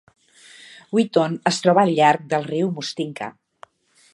Wheaton es troba al llarg del riu Mustinka.